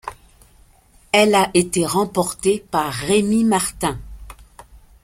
Elle a été remportée par Rémi Martin.